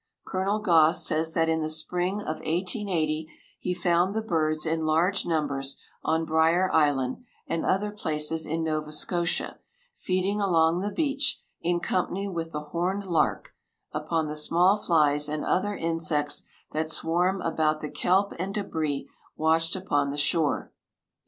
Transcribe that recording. Col. Goss says that in the spring of 1880 he found the birds in large numbers on Brier Island and other places in Nova Scotia, feeding along the beach, in company with the horned lark, upon the small flies and other insects that swarm about the kelp and debris washed upon the shore.